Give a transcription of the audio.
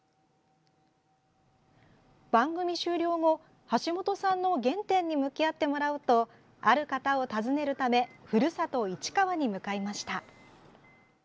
番組終了後橋本さんの原点に向き合ってもらおうとある方を訪ねるためふるさと・市川に向かいました。